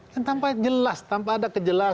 yang tanpa jelas tanpa ada kejelasan